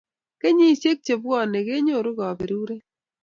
Kenyishiek chebwone kenyoru kaberuret